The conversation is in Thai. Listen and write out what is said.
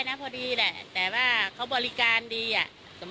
คงต้องทำให้บริการจัดการ